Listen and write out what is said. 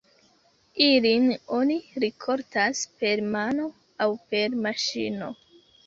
Ilin oni rikoltas per mano aŭ per maŝino.